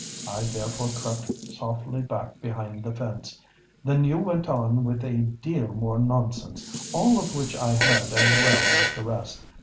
I therefore crept softly back behind the fence. Then you went on with a deal more nonsense—all of which I heard as well as the rest.